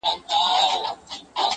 o انډیوالۍ کي احسان څۀ ته وایي ,